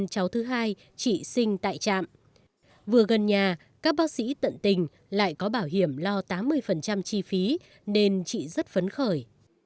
cháu thứ hai chị sinh tại trạm vừa gần nhà các bác sĩ tận tình lại có bảo hiểm lo tám mươi chi phí nên chị rất phấn khởi